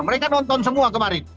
mereka nonton semua kemarin